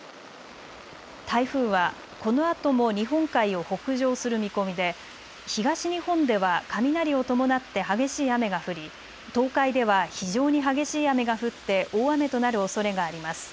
台風はこのあとも日本海を北上する見込みで東日本では雷を伴って激しい雨が降り東海では非常に激しい雨が降って大雨となるおそれがあります。